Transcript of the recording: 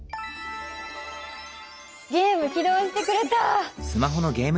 ゲーム起動してくれた！